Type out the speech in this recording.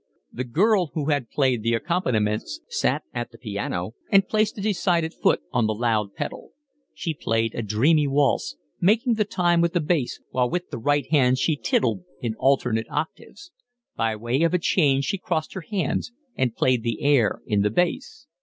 The girl who had played the accompaniments sat at the piano and placed a decided foot on the loud pedal. She played a dreamy waltz, marking the time with the bass, while with the right hand she 'tiddled' in alternate octaves. By way of a change she crossed her hands and played the air in the bass.